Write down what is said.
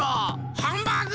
ハンバーグ！